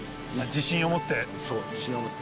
そう、自信を持って。